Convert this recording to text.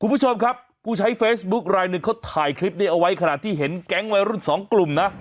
คุณผู้ชมครับผู้ใช้เฟซบุ๊คลายหนึ่งเขาถ่ายคลิปนี้เอาไว้ขนาดที่เห็นแก๊งวัยรุ่นสองกลุ่มนะ